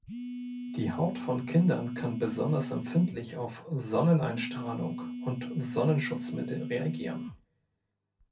Die Haut von Kindern kann besonders empfindlich auf Sonneneinstrahlung und Sonnenschutzmittel reagieren.